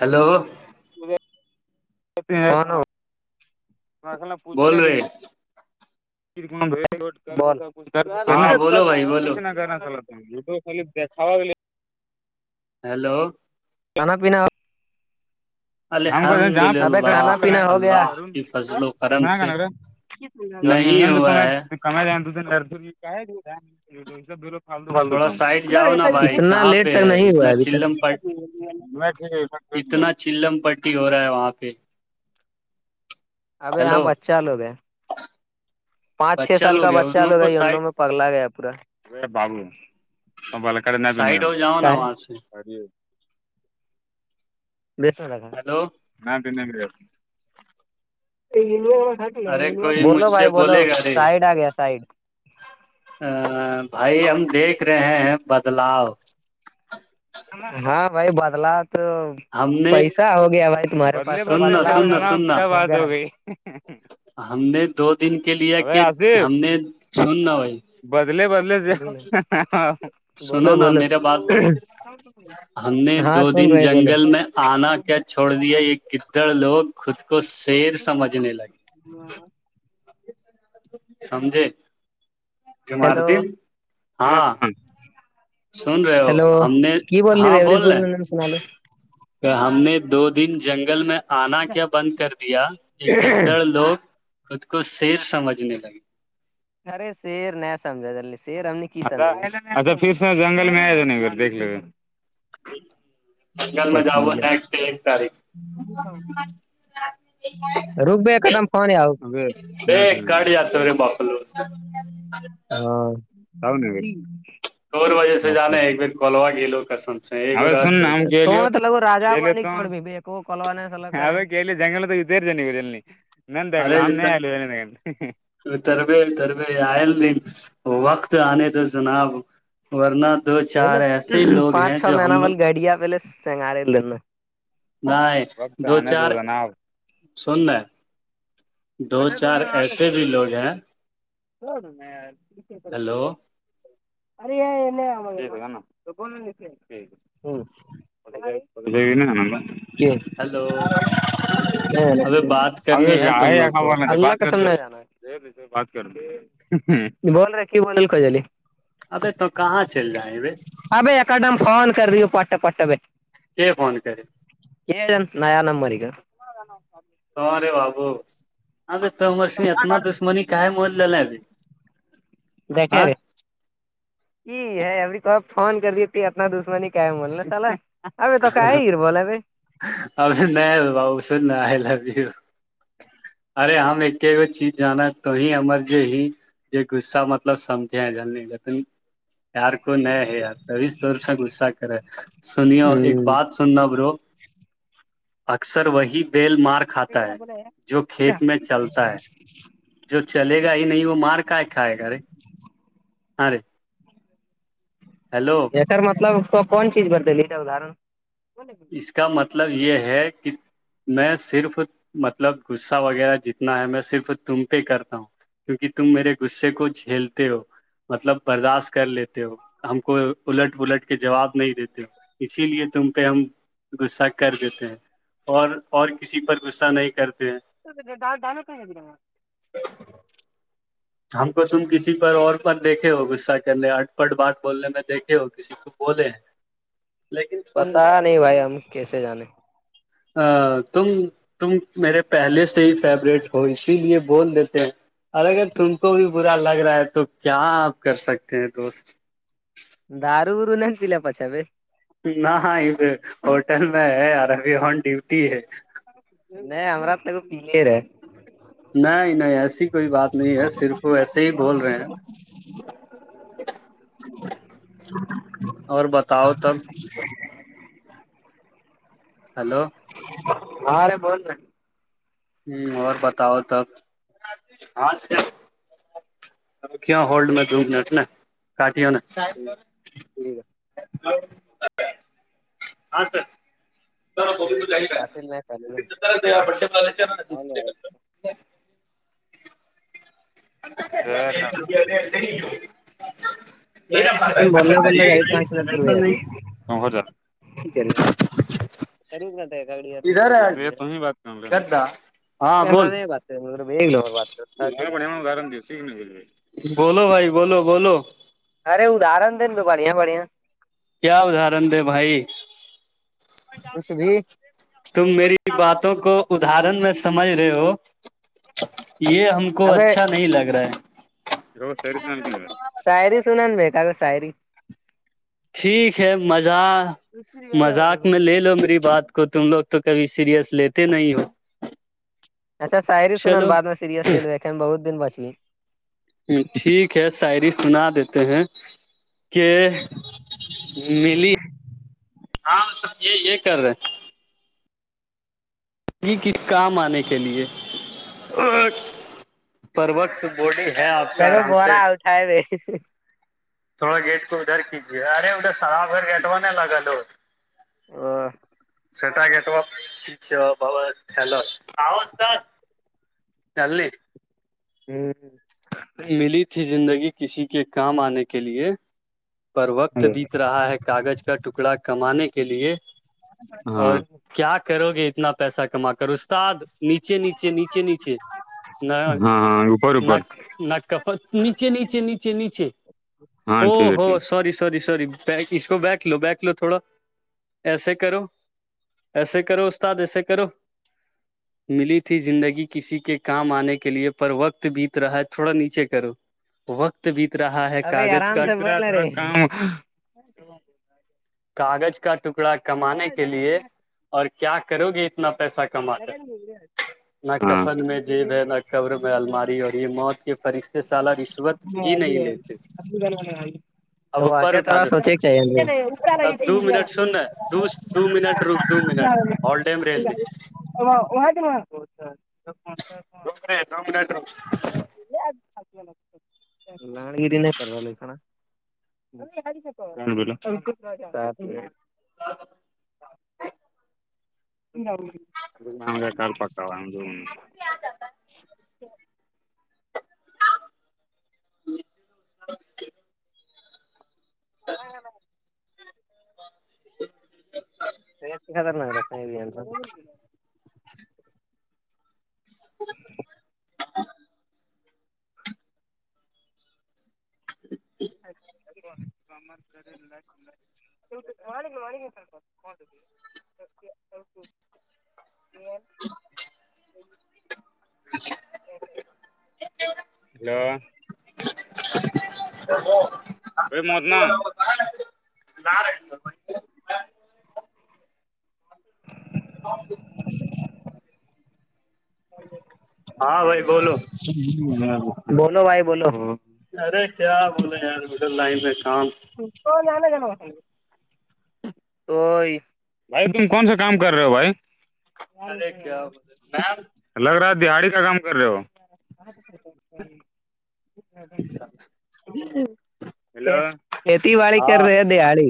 hello ا رہان پوچھلے بول رہے کچھ کرنا ہاں بولو چلتا بھائی بولو وب خ دیکھاواے ہیلو کانا پینا ہم کو الحمد جب للہ کھانا پینا ہو گیا اللہ کی فضل و سجھ کرم سے گ نہیں نارے تو ہوا ہے کم ج تھوڑا سائڈ جاؤ نا بھائی اتنا کہاں لیٹ پہ تک ہے نہیں ہوا اتنا ابھی تک چلم پٹ اتنا چلملم پٹی ہو رہا ہے وہاں پہ ابھی یہاں ہیلو ب اچا لوگ ہیں پانچ چھ بچہ سال کا لوگ ہے ان بچہ لوگ کو لوگا سائڈ انوں میں پگلا گیا پورا ب توپہ کڑ ن بھی سائڈ نہیں ہو جاؤ نا وہاں سے تھا ہلو ارے کوئی مجھ بولو سے بھائی بولو بولے گا رے سائڈ آ گیا سائڈ ا بھائی ہم دیکھ رہے ہیں بدلاؤ ہاں بھائی بدلا تو ہم نے پیسہ ہو گیا بھائی تمہارے سننا سننا جنا سننا کیا بات ہو گئی ہم نے دو دن کے لیا کہ ہم نے چن نہ بھائی بدل بدل سنو بولو نا بولو میرے بات ہم نے ہاں دو سن دن رہے بولو جنگل میں آنا کیا چھوڑ دیا یہ کدھر لوگ خود کو شیر سمجھنے لگے سمھے ج ہیلو مارد ہاں سن رہے ہو ہیلو ہم نے کی رہی ہاں ایوریج بول رہے ہیں سنا لو ہم نے دو دن جنگل میں آنا کیا بند کر دیا ایک گدڑ لوگ خود کو شیر سمجھنے لگے خرے سییر ن سمجے ال سیر ہم نے اچھا پھر سے جنگل میں آیا جان نھر دھ ل بنگال میں جاو پکی جا نیکسٹ ڈے ایک تاریخ رک ب ایکدم فون آ گای آیاا رہ رے بپلو ہاں ر دور وجہ سے جانا ہے ایک بار کولوا گی لو کسم ا سن جگل تو ج ب نہیں دیکھ ل ہم نہیں آلو ہے نہیں تربےتربے آئل دن وقت آنے تو جناب ورنہ دو چار ایسے لوگ ہیں جو ہم لوگ گڈیا ویلیس چنگ آےلینا نہیں دو چار جناب سون ن دو چار ایسے بھی لوگ ہیں ہوود میں ہلو اری پ ج پ جائے نا ہمند ج ہلو ابھی بات اگ کرنی ہے تم گائے لوگ خ کو ب ن [unintelligible] اب تو کہاں چل جائ اب ابائی ایکڈم فون کر دیے پٹا پٹا بیٹے کے فون کرے ن نیا نمبر کا [unintelligible] توہارے بابو ہاں تومر سے اتنا دشمنی کا ہے مج لے لے ابھی دیکھیں ہاں رے یہ ہے اب کو فون کر دیتی ا اپنا دشمنی کیا ہے مولنا سالا اب تو کئی ہیر بولے بائی اب نہیں ب س ن آ لب ارے ہم ایک گ چیز جانا تو ہی ہمر جو ہی یہ غصہ مطلب سمجھے ہیں ج ج یار کوئی ن ہے یار ک طور سے غصہ کرے سنیو ایک بات سننا برو اکثر وہی بیل مارک [unintelligible] جو کھیت میں چلتا ہے جو چلے گا ہی نہیں وہ مار کاائے کھائے گا ا رے ہاں رے ہیلو سر مطلب اس کون چیز بد ادر اس کا مطلب یہ ہے کہ میں صرف مطلب غصہ وغیرہ جتنا ہے میں صرف تم پہ کرتا ہوں کیونکہ تم میرے غصے کو جھیلتے ہو مطلب برداشت کر لیتے ہو ہم کو الٹ ولٹ کے جواب نہیں دیتے ہو اسی لیے تم پہ ہم غصہ کر دیتے ہیں اور اور کسی پر غصہ نہیں کرتے ہیں [unintelligible] ہم کو تم کسی پر اور پر دیکھے ہو گغصہ کرنے اٹ پٹ بات بولنے میں دیکھے ہو کسی بہت ہے پتا نہیں بھائی ہم کیسے جانے ا تم تم میرے پہلے سے ہی فیورورٹ ہو اسی لیے بول دیتے ہیں اور اگر تم کو بھی برا لگ رہا ہے تو کیا آپ کر سکتے ہیں دوست دار گر نہیں پلے پچا پے نہ ہاں ابھر ہوٹل میں ہے یار ابھی ہن ڈیوٹی ہے نہیں ہمر تو پے رہ ہے نہیں نہیں ایسی کوئی بات نہیں ہے صرف وہ ایسے ہی بول رہے ہیں [unintelligible] اور بتاؤ تب [unintelligible] ہلو ہاں ررے بول رہے ہ اور بتاؤ تب کیا ہولڈ میںٹ کاٹ ن ساب ہاں سر [unintelligible] [unintelligible] بن بول جائے پانچ ہزار ت ر بیا ٹیک ہے ادھر ہے [unintelligible] گدا ہاں ات بول گار سے بولو بھائی بو بولو ارے ادار دین بھی گڑیا بڑں کیا ادہرن د بھائی ک س بھی تم میری باتوں کو ادرن میں سمجھ رہے ہو یہ ہم کو اچھا نہیں لگ رہا ہے سری سنان با گ سری ٹھیک ہے مذاق مذاق میں لے لو میری بات کو تم لوگ تو کبھی سیریئس لیتے نہیں ہو اچھا ساعری سنن چلو بع میں سیریس لے لو ا بہت دن بچی ہ ٹھیک ہے شاعری سنا دیتے ہیں کے ملی ہ سب یہ یہ کر رہے ی کس کام آنے کے لیے پر وقت بوڈی ہے آپ کا لگو آرام سے بورا اٹھائے بے تھوڑا گیٹ کو ادھر کیجیے ارے ادھر صافھر گٹوا ن لگا ل آ سٹا گٹپ سچپ ب چلو ہوازتا چل ل جی ملی تھی زندگی کسی کے کام آنے کے لیے پر وقت بیت رہا ہے کاغذ کا ٹکڑا کمانے کے لیے ہاں اور کیا کرو گے اتنا پیسہ کما کرو استاد نیچے نیچے نیچے نیچے نہ ہاں اوپر ن اوپر نٹ کپت نیچے نیچے نیچے نیچے ہاں او ٹھیک ہے ہوو ٹھیک سور سور سور اس کو بیکھ لو بیک لو تھوڑا ایسے کرو ایسے کرو استاد ایسے کرو ملی تھی زندگی کسی کے کام آنے کے لئے پر وقت بھی رہا تھوڑا نیچے کرو وقت بیت رہا ہے ابھی کاغذ آرام کا سے بول رہے کاغذ کا ٹکڑا کمانے کے لیے اور کیا کرو گے اتنا پیسہ کما کر نہ کفن میں جیب ہے نہ قبر میں الماری ہو یہ موت کے فرشتے سالہ رشوت بھی نہیں لیتے ا ج آے اب اپر اٹھا دو اب دو منٹ سننا دو دو منٹ رک دو منٹ ہل ڈائم ریلو وہاں کے وہاں کوتا ہے روم رے روم ر ڈ کن گری نہیں پرو لکھانا بب ہ کال پکا د ج ہ ہ تو سے خطرناک رس ہیں بھی گب مر کر ل والا گ والا گ سوپ مے [inaudible] پین [unintelligible] ہیلو ا ا متنا زا رہے س بھائی ب اس ہاں بھائی بولو بولو بھائی بولو ارے کیا بولے یار مے لائن میں کام ا ناناگ گ متے تو بھائی تم کون سا کام کر رہے ہو بھائی ار و ارے فانا کیا بولے میم لگ رہا دہاڑی کا کام کر رہے ہو ہاں لو کھیتی باڑی کر رہے ہے دیہڑی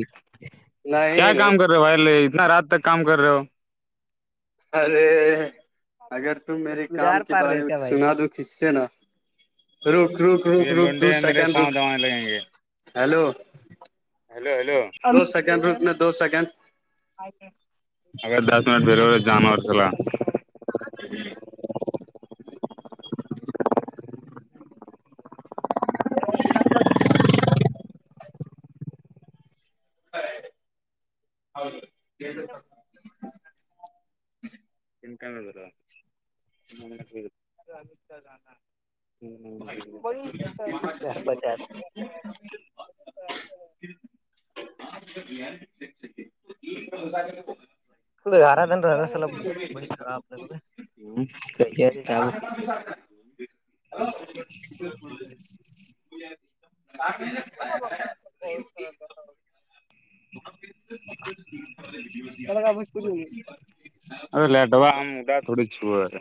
کیا نہیں رے کام کر رہے ہو بھائیل اتنا رات تک کام کر رہے ہو ارے اگر تم میرے کام کدار کے پار بارے رہے میں کیا بھائی سنا دو کس سے نا رک رک تو رک یہ رک دو لونڈے ہیں میرے سیکنڈ رک پاؤں دوانے لگیں گے ہیلو ہیلو ہیلو دو سیکنڈ رکنے دو سیکنڈ گگر دس منٹ بیر جام وورسل جی ا [inaudible] ہر سر تنک بھرا ہ پچار [inaudible] ا [inaudible] آارادنرا س بڑی خرا آپ لگ جاب کہ [inaudible] [inaudible] وڈیو ار لٹوا آم اڈا تھوڑی چ ار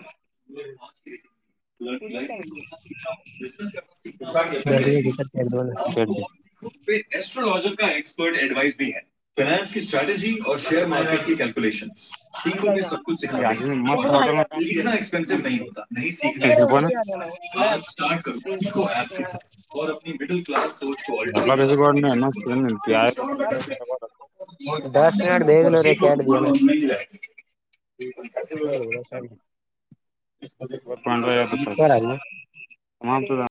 [inaudible] ایک د کر د پہ ایسٹرولوجک کا ایکسپرٹ ایڈوائز بھی ہے فائنانس کی اسٹریٹجی اور شیئر مارکیٹ کیلکولیشن سیکھو کے سب کچھ سکھاتے ہیں اور ہاں سیکھنا ایکسپینسو نہیں ہوتا نہیں سیکھنا ایکسپینسو ہوتا ہے آج اسٹارٹ کروں سھو ایپ سے تھا اور اپنی مڈل کلاس سوچ کو آٹر الہ بییس کوڈ نہیں آئے سب سیکھو تو مو نا نہیں رہائے ج کسے و اور پانڈرہ ہزار تو تمام